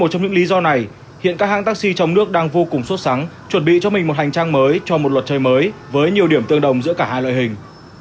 trong những lý do này hiện các hãng taxi trong nước đang vô cùng sốt sáng chuẩn bị cho mình một hành trang mới cho một luật chơi mới với nhiều điểm tương đồng giữa cả hai loại hình